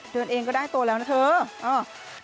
เดินเองก็ได้ตัวแล้วนะเถอะ